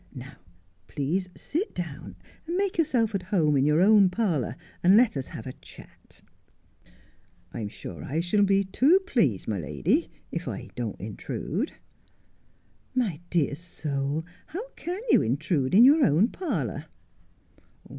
Now, please, sit down, and make yourself at home in your own parlour, and let us have a chat.' ' I'm sure I shall be too pleased, my lady, if I don't intrude.' ' My dear soul, how can you intrude in your own parlour